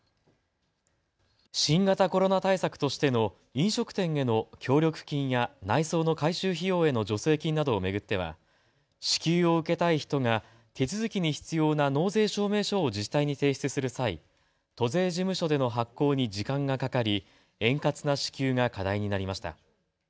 新型コロナ対策としての飲食店への協力金や内装の改修費用の助成金などを巡っては支給を受けたい人が手続きに必要な納税証明書を自治体に提出する際、都税事務所での発行に時間がかかり円滑な支給が課題になりました。